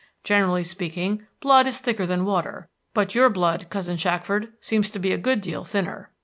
Generally speaking, blood is thicker than water; but your blood, cousin Shackford, seems to be a good deal thinner.